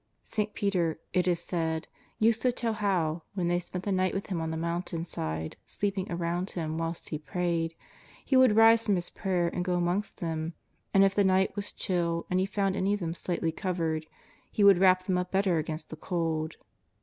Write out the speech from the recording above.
St. Peter, it is said, used to tell how, when they spent the night with Him on the mountain side, sleep ing around Him whilst He prayed. He would rise from His prayer and go amongst them, and if the night was chill and He found any of them slightly covered, He would wrap them up better against the cold.